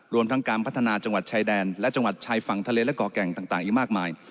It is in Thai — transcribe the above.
รวมทั้งการพัฒนาจังหวัดชายแดนและจังหวัดชายฝั่งทะเลและก่อแก่งต่างอีกมากมาย